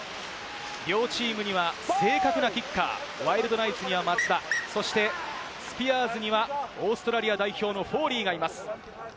両チームには正確なキッカー、ワイルドナイツには松田、そしてスピアーズにはオーストラリア代表のフォーリーがいます。